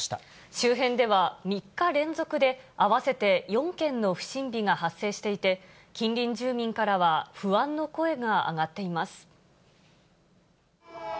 周辺では、３日連続で合わせて４件の不審火が発生していて、近隣住民からは不安の声が上がっています。